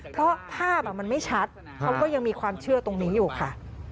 เพราะภาพมันไม่ชัดเขาก็ยังมีความเชื่อตรงนี้อยู่ค่ะ